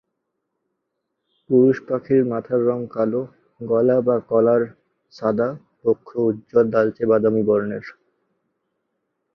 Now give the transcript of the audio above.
পুরুষ পাখির মাথার রং কালো, গলা বা কলার সাদা, বক্ষ উজ্জ্বল লালচে-বাদামী বর্ণের।